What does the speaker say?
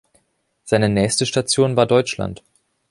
Seine nächste Station war Deutschland.